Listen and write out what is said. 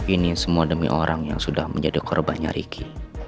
ini semua demi orang yang sudah menjadi korbannya riki